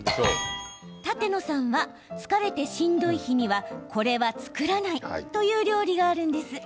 舘野さんは疲れてしんどい日にはこれは作らないというお料理があるんです。